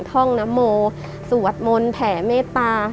ท่องนโมสวดมนต์แผ่เมตตา